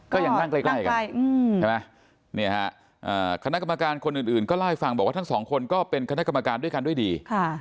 นั่งใกล้กันใช่ไหมคณะกรรมการคนอื่นก็เล่าให้ฟังบอกว่าทั้งสองคนก็เป็นคณะกรรมการด้วยกันด้วยดี